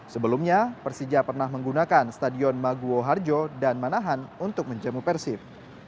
sebelumnya persija pernah menggunakan stadion maguoharjo dan manahan untuk menjemuh persib